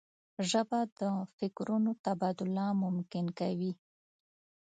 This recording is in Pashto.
ژبه د فکرونو تبادله ممکن کوي